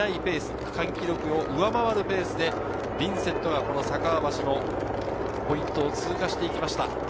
区間記録を上回るペースでヴィンセントが酒匂橋のポイントを通過していきました。